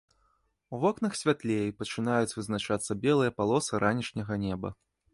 У вокнах святлее і пачынаюць вызначацца белыя палосы ранішняга неба.